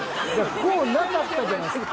「こ」なかったじゃないですか。